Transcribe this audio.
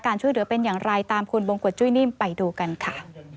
ช่วยเหลือเป็นอย่างไรตามคุณบงกฎจุ้ยนิ่มไปดูกันค่ะ